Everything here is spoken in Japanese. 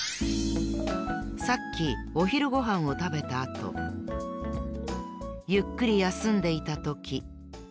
さっきおひるごはんをたべたあとゆっくりやすんでいたとき。